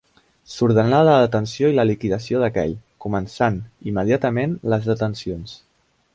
S'ordenà la detenció i la liquidació d'aquell, començant immediatament les detencions.